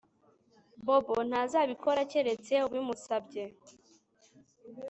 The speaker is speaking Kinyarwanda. Bobo ntazabikora keretse ubimusabye